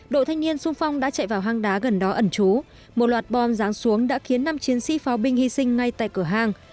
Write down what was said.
đội thanh niên sung phong đã chạy vào hang đá gần đó ẩn trú một loạt bom ráng xuống đã khiến năm chiến sĩ pháo binh hy sinh ngay tại cửa hàng